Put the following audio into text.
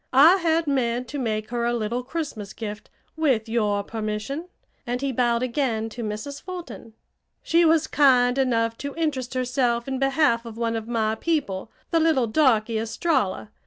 "I had meant to make her a little Christmas gift, with your permission," and he bowed again to Mrs. Fulton. "She was kind enough to interest herself in behalf of one of my people, the little darky, Estralla.